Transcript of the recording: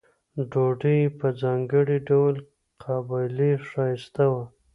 ډوډۍ یې په ځانګړي ډول قابلي ښایسته وه.